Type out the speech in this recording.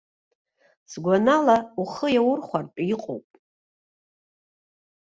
Сгәанала ухы иаурхәартә иҟоуп.